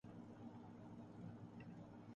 ابھی تو سائنس دانوں کو روک دیا گیا ہے، لیکن کب تک؟